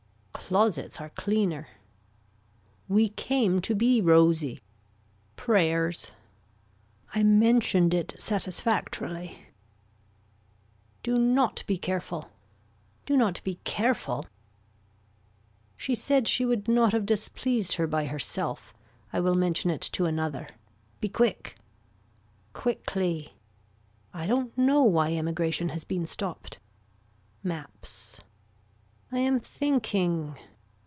Closets are cleaner. We came to be rosy. Prayers. I mentioned it satisfactorily. Do not be careful. Do not be careful. She said she would not have displeased her by herself. I will mention it to another. Be quick. Quickly. I don't know why emigration has been stopped. Maps. I am thinking.